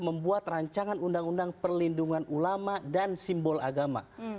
membuat rancangan undang undang perlindungan ulama dan simbol agama